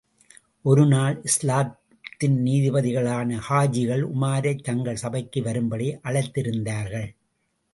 ஒருநாள், இஸ்லாத்தின் நீதிபதிகளான காஜிகள் உமாரைத் தங்கள் சபைக்கு வரும்படி அழைத்திருந்தார்கள்.